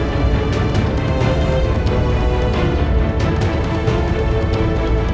bagus yudhakara kau semakin cantik memerankan peran